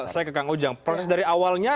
saya ke kang ujang proses dari awalnya